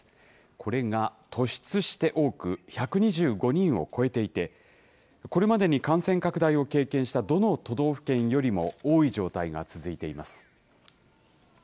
これが突出して多く、１２５人を超えていて、これまでに感染拡大を経験したどの都道府県よりも多い状態が続いています。